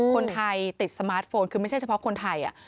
คนไทยติดสมาร์ทโฟนคือไม่ใช่เฉพาะคนไทย